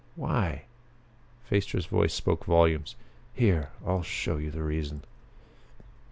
Why?" Phaestra's voice spoke volumes. "Here I'll show you the reason."